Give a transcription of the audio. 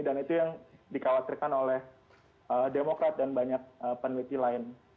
dan itu yang dikhawatirkan oleh demokrat dan banyak peneliti lain